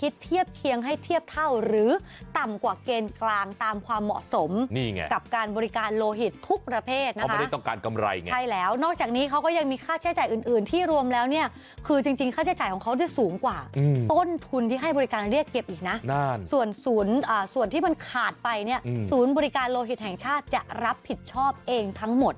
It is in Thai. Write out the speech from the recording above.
ส่วนที่มันขาดไปเนี่ยศูนย์บริการโลหิตแห่งชาติจะรับผิดชอบเองทั้งหมด